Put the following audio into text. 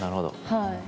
はい。